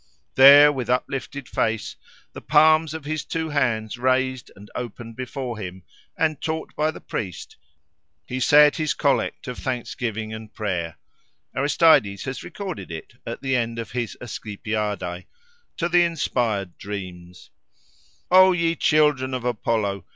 There, with uplifted face, the palms of his two hands raised and open before him, and taught by the priest, he said his collect of thanksgiving and prayer (Aristeides has recorded it at the end of his Asclepiadae) to the Inspired Dreams:— "O ye children of Apollo!